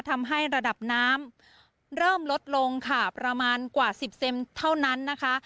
ทำให้ระดับน้ำเริ่มลดลงค่ะประมาณกว่าสิบเซนเท่านั้นนะคะ